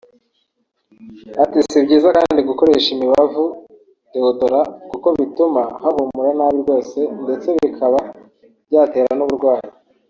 Ati “Si byiza kandi gukoresha imibavu ‘deodorants’ kuko bituma hahumura nabi rwose ndetse bikaba byatera n’uburwayi